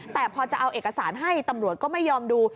แต่พอจะเอาเอกสารให้ตำรวจก็ไม่ยอมดู